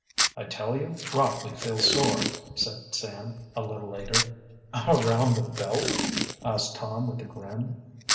"I tell you, Rockley feels sore," said Sam, a little later. "Around the belt?" asked Tom with a grin.